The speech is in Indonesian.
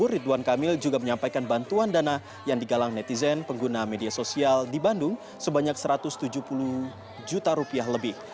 ridwan kamil juga menyampaikan bantuan dana yang digalang netizen pengguna media sosial di bandung sebanyak satu ratus tujuh puluh juta rupiah lebih